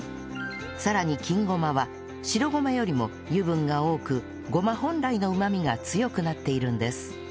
さらに金ごまは白ごまよりも油分が多くごま本来のうまみが強くなっているんです